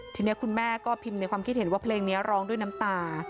ทีนี้คุณแม่ก็พิมพ์ในความคิดเห็นว่าเพลงนี้ร้องด้วยน้ำตา